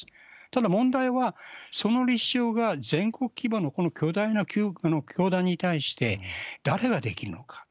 ただ問題は、その立証が全国規模のこの巨大な教団に対して、誰ができるのか。